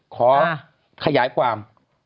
ขอขยายความ